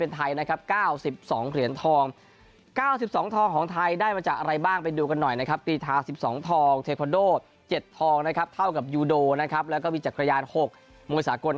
อ็กปาโด่เจ็ดทองนะครับเท่ากับยูโดนะครับแล้วก็มีจักรยานหกมวยสากล